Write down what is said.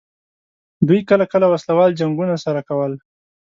دوی کله کله وسله وال جنګونه سره کول.